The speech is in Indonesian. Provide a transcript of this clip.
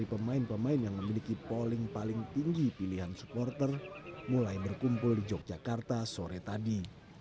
pemain pemain islandia tidak bisa beradaptasi dengan iklim tropis yang panas dalam singkatnya persiapan jelang pertandingan